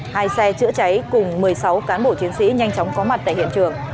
hai xe chữa cháy cùng một mươi sáu cán bộ chiến sĩ nhanh chóng có mặt tại hiện trường